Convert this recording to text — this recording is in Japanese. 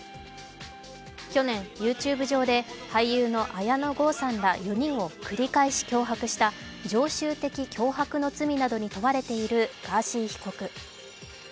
去年、ＹｏｕＴｕｂｅ上で、俳優の綾野剛さんら４人を繰り返し脅迫した常習的脅迫の罪などに問われているガーシー被告。